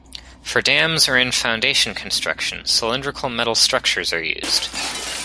For dams or in foundation construction, cylindrical metal structures are used.